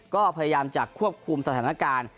ก็พยายามจะควบคุมสถานการณ์